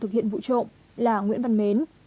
thực hiện vụ trộm là nguyễn văn mến